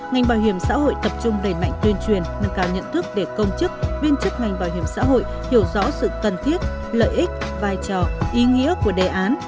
ngành bảo hiểm xã hội tập trung đẩy mạnh tuyên truyền nâng cao nhận thức để công chức viên chức ngành bảo hiểm xã hội hiểu rõ sự cần thiết lợi ích vai trò ý nghĩa của đề án